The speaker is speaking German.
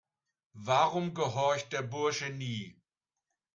Warum gehorcht der Bursche nie?